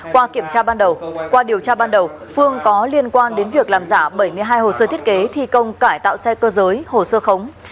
qua kiểm tra ban đầu qua điều tra ban đầu phương có liên quan đến việc làm giả bảy mươi hai hồ sơ thiết kế thi công cải tạo xe cơ giới hồ sơ khống